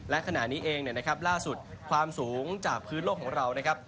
และขณะนี้เองนะครับล่าสุดความสูงจากพื้นโลกของเรานะครับ